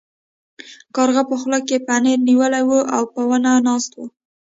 کارغه په خوله کې پنیر نیولی و او په ونه ناست و.